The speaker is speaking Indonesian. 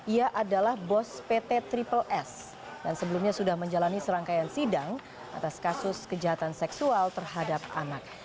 ia adalah bos pt triple s dan sebelumnya sudah menjalani serangkaian sidang atas kasus kejahatan seksual terhadap anak